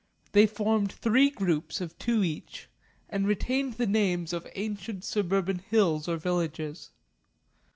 They formed three groups of two each and retained the names of ancient suburban hills or villages.